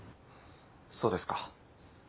そうですか。